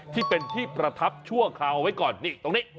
ที่เป็นที่ประทับชั่วคราวไว้ก่อนนี่ตรงนี้